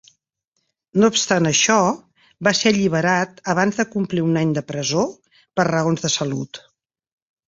No obstant això, va ser alliberat abans de complir un any de presó per raons de salut.